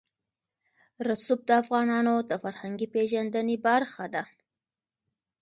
رسوب د افغانانو د فرهنګي پیژندنې برخه ده.